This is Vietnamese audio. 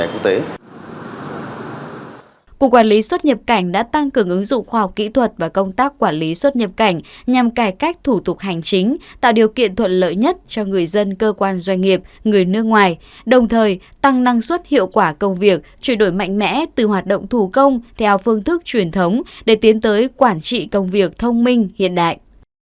cục quản lý xuất nhập cảnh đã tăng cường ứng dụng khoa học kỹ thuật và công tác quản lý xuất nhập cảnh nhằm cải cách thủ tục hành chính tạo điều kiện thuận lợi nhất cho người dân cơ quan doanh nghiệp người nước ngoài đồng thời tăng năng suất hiệu quả công việc chuyển đổi mạnh mẽ từ hoạt động thủ công theo phương thức truyền thống để tiến tới quản trị công việc thông minh hiện đại